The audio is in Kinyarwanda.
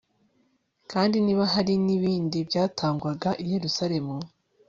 kandi niba hari n'ibindi byatangwaga i yeruzalemu